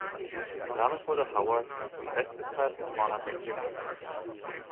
Damit wurde Howard zum bestbezahlten Cornerback der Liga.